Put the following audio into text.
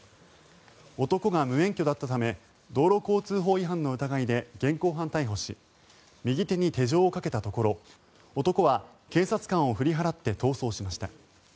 男が無免許だったため道路交通法違反の疑いで現行犯逮捕し右手に手錠をかけたところ男は警察官を振り払って逃走しました。